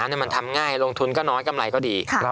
น้ำนั้นมันทำง่ายลงทุนก็น้อยกำไรก็ดี